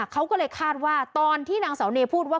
เขาก็เลยคาดว่าตอนที่นางเสาเนยพูดว่า